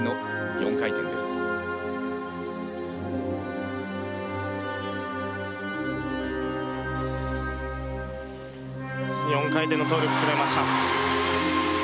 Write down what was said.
４回転のトーループ決めました。